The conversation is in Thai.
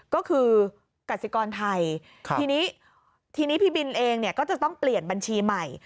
ก็คือกสิกรไทยทีนี้ทีนี้พี่บินเองเนี่ยก็จะต้องเปลี่ยนบัญชีใหม่